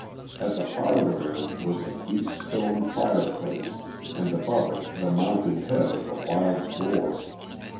At the farther end was a deep stone fireplace, and above it the mounted head of a wild boar.